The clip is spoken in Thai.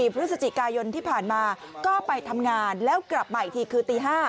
พฤศจิกายนที่ผ่านมาก็ไปทำงานแล้วกลับมาอีกทีคือตี๕